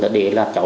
để là cháu